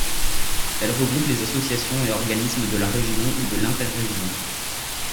Elles regroupent les associations et organismes de la région ou de l'inter-région.